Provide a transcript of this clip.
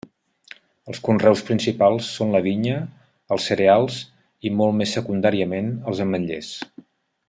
Els conreus principals són la vinya, els cereals i, molt més secundàriament, els ametllers.